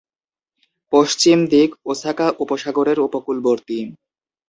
পশ্চিম দিক ওসাকা উপসাগরের উপকূলবর্তী।